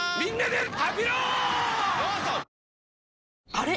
あれ？